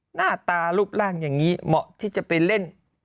หน้าตารูปร่างอย่างนี้เหมาะที่จะไปเล่น